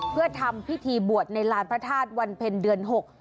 เพื่อทำพิธีบวชในลานพระธาตุวันเพ็ญเดือน๖